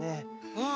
うん。